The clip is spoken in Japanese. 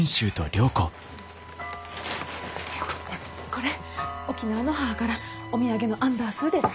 これ沖縄の母からお土産のアンダンスーです。